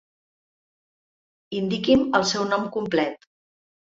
Indiqui'm el seu nom complet.